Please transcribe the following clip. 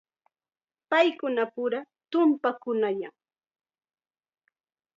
Paykunapura tumpanakuyan.